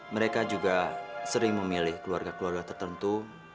mereka juga sering memilih keluarga keluarga tertentu